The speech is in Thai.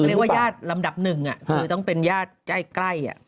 เรียกว่าญาติลำดับหนึ่งคือต้องเป็นญาติใกล้